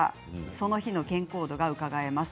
その日の健康度がうかがえます。